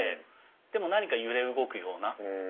でも何か揺れ動くような。